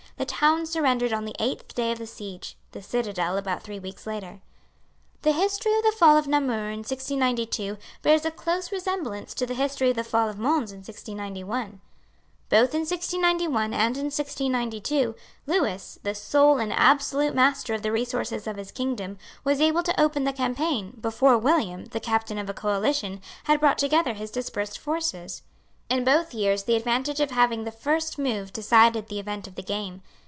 The town surrendered on the eighth day of the siege, the citadel about three weeks later. The history of the fall of Namur in 1692 bears a close resemblance to the history of the fail of Mons in 1691. Both in 1691 and in 1692, Lewis, the sole and absolute master of the resources of his kingdom, was able to open the campaign, before William, the captain of a coalition, had brought together his dispersed forces. In both years the advantage of having the first move decided the event of the game.